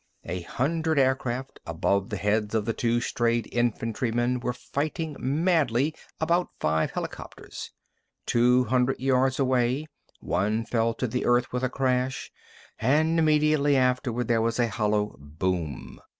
A hundred aircraft above the heads of the two strayed infantrymen were fighting madly about five helicopters. Two hundred yards away, one fell to the earth with a crash, and immediately afterward there was a hollow boom.